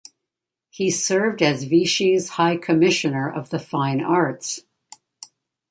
He served as Vichy's High Commissioner of the Fine Arts.